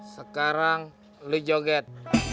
sekarang lo joget